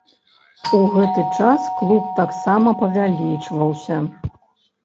У гэты час клуб таксама павялічваўся.